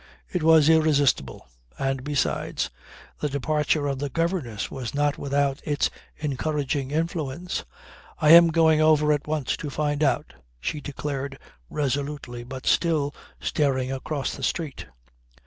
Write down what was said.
It was irresistible. And, besides, the departure of the governess was not without its encouraging influence. "I am going over at once to find out," she declared resolutely but still staring across the street.